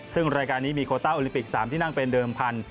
ซึ่งรายการนี้มีโคต้าโอลิปิก๓ที่นั่งเป็นเดิมพันธ